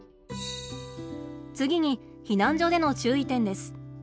次に避難所での注意点です。